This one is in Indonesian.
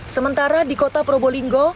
sementara di kota probolinggo